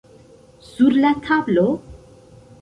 Sur la tablo?